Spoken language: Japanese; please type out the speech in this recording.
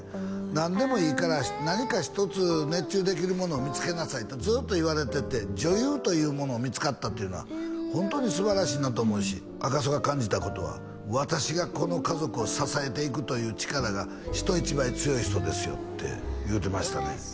何でもいいから何か１つ熱中できるものを見つけなさいとずっと言われてて女優というものが見つかったというのはホントにすばらしいなと思うし赤楚が感じたことは私がこの家族を支えていくという力が人一倍強い人ですよって言うてましたね